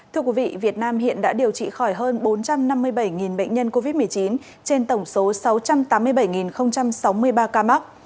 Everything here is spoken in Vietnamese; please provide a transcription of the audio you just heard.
thưa quý vị việt nam hiện đã điều trị khỏi hơn bốn trăm năm mươi bảy bệnh nhân covid một mươi chín trên tổng số sáu trăm tám mươi bảy sáu mươi ba ca mắc